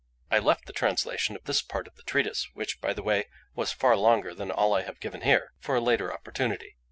I left the translation of this part of the treatise, which, by the way, was far longer than all that I have given here, for a later opportunity.